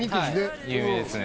はい有名ですね